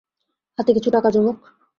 হাতে কিছু টাকা জমুক।